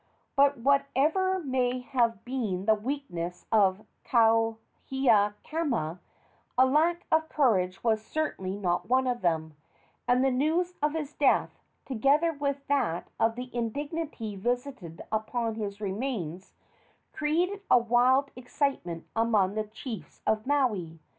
But, whatever may have been the weaknesses of Kauhiakama, a lack of courage was certainly not one of them, and the news of his death, together with that of the indignity visited upon his remains, created a wild excitement among the chiefs of Maui.